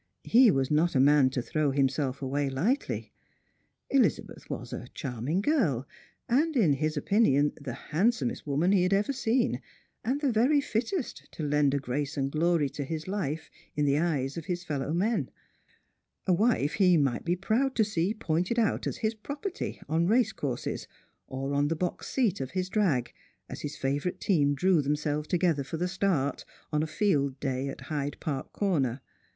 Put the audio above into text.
He was not a man to throw himself away lightly. Elizabeth was a charming girl, and, in his opinion, the handsomest woman he had ever seen, and the very fittest to lend a grace and glory to his life in the eyes of his fellow men — a wife he might be proud to see pointed out as hia property on racecources, or on the box seat ot his drag, as his favourite team drew themselves together for the start, on a field day at Hyde park Corner.